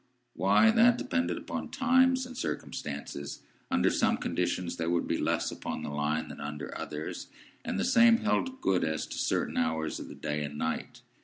Why, that depended upon times and circumstances. Under some conditions there would be less upon the Line than under others, and the same held good as to certain hours of the day and night.